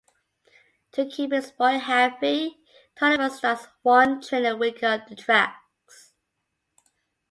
To keep his boy happy, Tolliver starts one train a week up the tracks.